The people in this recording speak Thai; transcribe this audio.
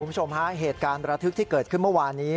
คุณผู้ชมฮะเหตุการณ์ระทึกที่เกิดขึ้นเมื่อวานนี้